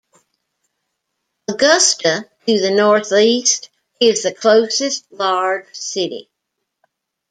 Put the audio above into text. Augusta, to the northeast, is the closest large city.